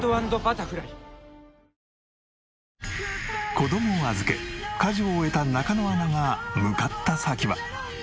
子どもを預け家事を終えた中野アナが向かった先は。